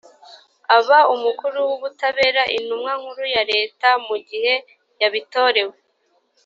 aba umukuru w ubutabera intumwa nkuru ya leta mu gihe yabitorewe